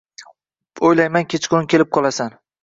O’ylayman, kechqurun kelib qolasan.